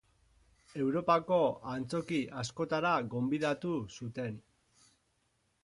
Europako antzoki askotara gonbidatu zuten.